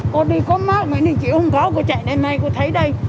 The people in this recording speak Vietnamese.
cô đi có má mình thì chịu không có cô chạy lên đây cô thấy đây